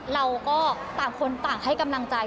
เราก็ต่างคนต่างให้กำลังใจ